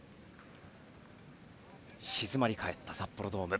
静まり返った札幌ドーム。